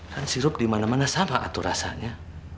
kan sirup dimana mana sama atur rasanya